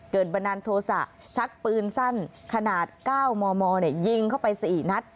บันดาลโทษะชักปืนสั้นขนาด๙มมยิงเข้าไป๔นัด